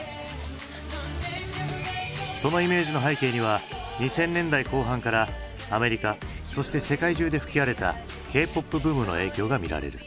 そのイメージの背景には２０００年代後半からアメリカそして世界中で吹き荒れたＫ−ＰＯＰブームの影響が見られる。